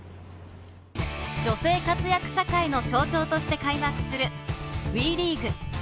女性活躍社会の象徴として開幕するＷＥリーグ。